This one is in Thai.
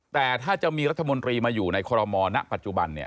แต่ถ้าจะมีรัฐมนตรีมาอยู่ในคอรมณปัจจุบันเนี่ย